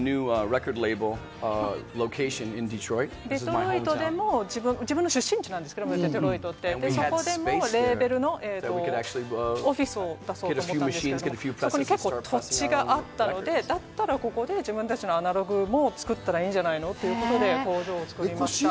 デトロイトでも、自分の出身地なんですけれども、そこでもレーベルのオフィスを出そうと思ったんですけれども、そこに結構、土地があったので、だったらここで自分たちのアナログも作ったらいいんじゃないのということで工場を作りました。